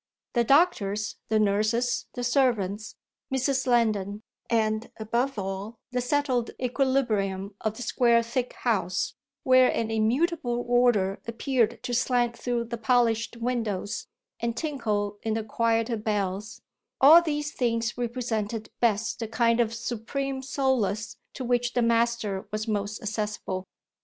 The doctors, the nurses, the servants, Mrs. Lendon, and above all the settled equilibrium of the square thick house, where an immutable order appeared to slant through the polished windows and tinkle in the quieter bells, all these things represented best the kind of supreme solace to which the master was most accessible.